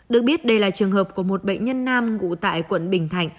được biết đây là trường hợp của một bệnh nhân nam ngụ tại quận bình thạnh